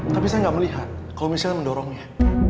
tapi saya gak melihat kalau michelle mendorongnya